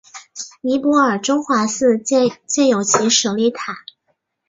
尼泊尔中华寺建有其舍利塔。